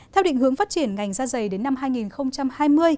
theo định hướng phát triển ngành da dày đến năm hai nghìn hai mươi